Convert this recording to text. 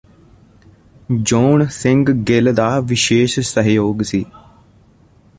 ਜੌਨ੍ਹ ਸਿੰਘ ਗਿੱਲ ਦਾ ਵਿਸ਼ੇਸ਼ ਸਹਿਯੋਗ ਸੀ